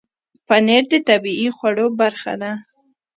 پنېر د طبیعي خوړو برخه ده.